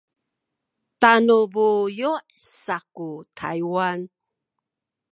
tanu buyu’ saku Taywan